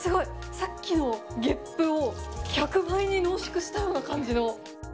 さっきのゲップを１００倍に濃縮したような感じの。